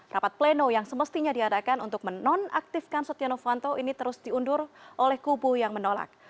rapat pleno yang semestinya diadakan untuk menonaktifkan setia novanto ini terus diundur oleh kubu yang menolak